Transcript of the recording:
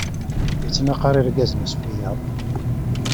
Ittnaqaṛ irgazen s wiyaḍ.